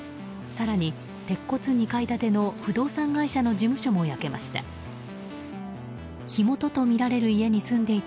更に鉄骨２階建ての不動産会社の事務所も焼けました。